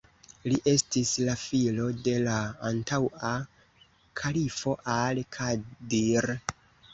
Li estis la filo de la antaŭa kalifo al-Kadir.